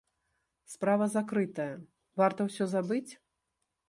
Справа закрытая, варта ўсе забыць?